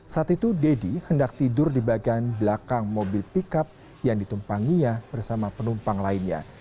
saat itu deddy hendak tidur di bagian belakang mobil pickup yang ditumpanginya bersama penumpang lainnya